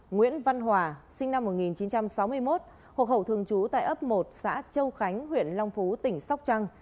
nguyễn văn hòa sinh năm một nghìn chín trăm sáu mươi một hộ khẩu thường trú tại ấp một xã châu khánh huyện long phú tỉnh sóc trăng